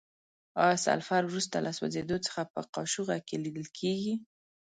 آیا سلفر وروسته له سوځیدو څخه په قاشوغه کې لیدل کیږي؟